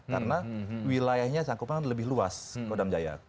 karena wilayahnya sangkupnya lebih luas kodam jaya